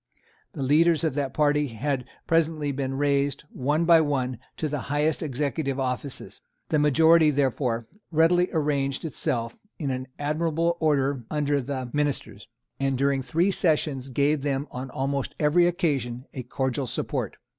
The leaders of that party had presently been raised, one by one, to the highest executive offices. The majority, therefore, readily arranged itself in admirable order under the ministers, and during three sessions gave them on almost every occasion a cordial support.